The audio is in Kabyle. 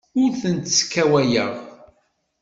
Ur tent-sskawayeɣ.